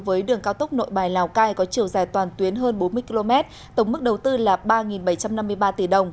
với đường cao tốc nội bài lào cai có chiều dài toàn tuyến hơn bốn mươi km tổng mức đầu tư là ba bảy trăm năm mươi ba tỷ đồng